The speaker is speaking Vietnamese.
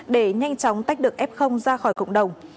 để nhanh chóng tách được f ra khỏi cộng đồng